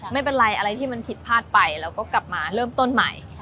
ไม่เป็นไรอะไรที่มันผิดพลาดไปแล้วก็กลับมาเริ่มต้นใหม่